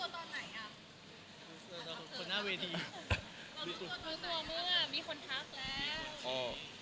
รู้ตัวเมื่อมีคนทักแล้ว